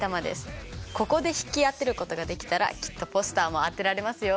ここで引き当てることができたらきっとポスターも当てられますよ！